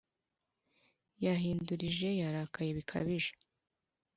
yahindurije: yarakaye bikabije